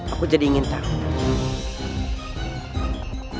aku jadi ingin tahu